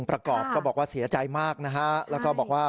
ประกอบติเคยมีเรื่องอะไรกับใคร